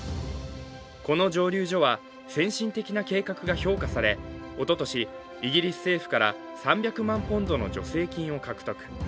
この蒸留所は先進的な計画が評価され、おととしイギリス政府から３００万ポンドの助成金を獲得。